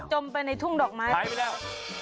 ไปในทุ่งดอกไม้หายไปแล้ว